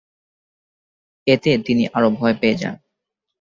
এতে তিনি আরো ভয় পেয়ে যান।